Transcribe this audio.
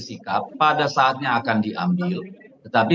sikap pada saatnya akan diambil tetapi